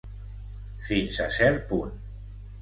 Fins a cert punt.